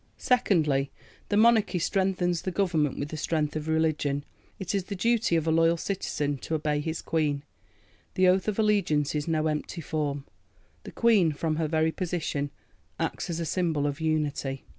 Secondly: The Monarchy strengthens the Government with the strength of religion. It is the duty of a loyal citizen to obey his Queen; the oath of allegiance is no empty form. The Queen from her very position acts as a symbol of unity.